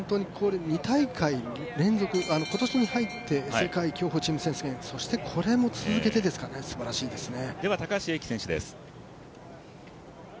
２大会連続、今年に入って世界競歩チーム選手権そしてこれも続けてですからねすばらしいです。